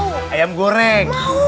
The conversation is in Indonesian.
oh mau ayam goreng